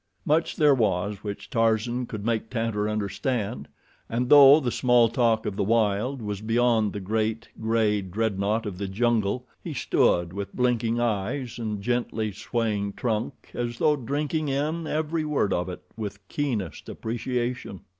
Much there was which Tarzan could make Tantor understand, and though the small talk of the wild was beyond the great, gray dreadnaught of the jungle, he stood with blinking eyes and gently swaying trunk as though drinking in every word of it with keenest appreciation.